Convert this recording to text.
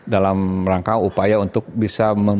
dalam rangka upaya untuk bisa